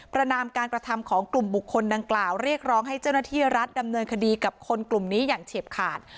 นามการกระทำของกลุ่มบุคคลดังกล่าวเรียกร้องให้เจ้าหน้าที่รัฐดำเนินคดีกับคนกลุ่มนี้อย่างเฉียบขาด